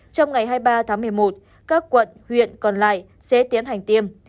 trong ngày hai mươi ba tháng một mươi một các quận huyện còn lại sẽ tiến hành tiêm